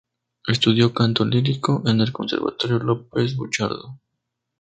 Estudió canto lírico en el Conservatorio López Buchardo.